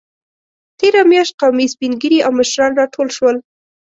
تېره میاشت قومي سپینږیري او مشران راټول شول.